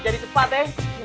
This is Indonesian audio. jadi cepat ya